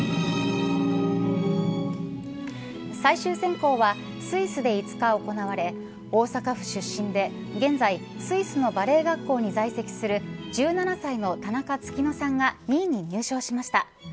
最終選考はスイスで５日行われ大阪府出身で現在スイスのバレエ学校に在籍する１７歳の田中月乃さんが２位に入賞しました。